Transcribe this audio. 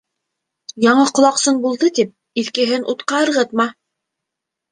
Яңы ҡолаҡсын булды тип, иҫкеһен утҡа ырғытма.